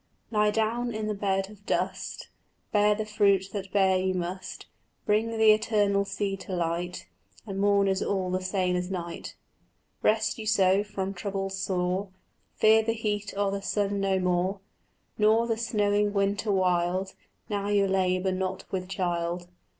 "Lie down in the bed of dust; Bear the fruit that bear you must; Bring the eternal seed to light, And morn is all the same as night." "Rest you so from trouble sore, Fear the heat o' the sun no more, Nor the snowing winter wild, Now you labour not with child."